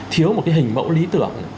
thiếu một cái hình mẫu lý tưởng